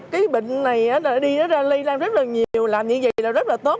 cái bệnh này đi ra ly làm rất là nhiều làm như vậy là rất là tốt